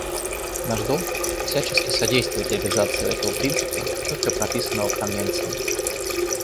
Наш долг — всячески содействовать реализации этого принципа, четко прописанного в Конвенции.